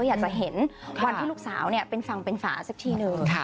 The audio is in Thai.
อยากจะเห็นวันที่ลูกสาวเป็นฝั่งเป็นฝาสักทีหนึ่ง